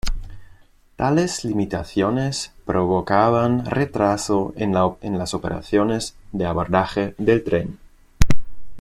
Tales limitaciones provocaban retraso en las operaciones de abordaje del tren.